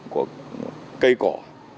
của cây cỏ